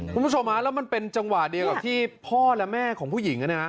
คุณผู้ชมฮะแล้วมันเป็นจังหวะเดียวกับที่พ่อและแม่ของผู้หญิง